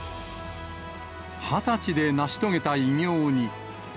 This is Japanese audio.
２０歳で成し遂げた偉業に。